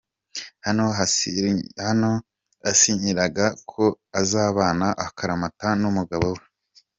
Hano yasinyiraga ko azabana akaramata n'umugabo we.